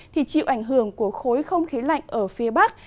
thì chịu ảnh hưởng của khối không khí lạnh ở phía bắc